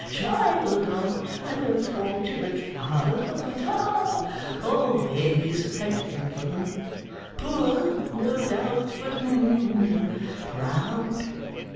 Child of an unfortunate father, but ha always a gentleman. Poor, no doubt, but hum proud.